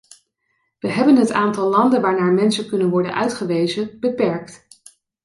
Wij hebben het aantal landen waarnaar mensen kunnen worden uitgewezen beperkt.